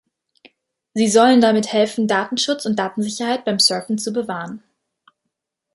Sie sollen damit helfen, Datenschutz und Datensicherheit beim Surfen zu bewahren.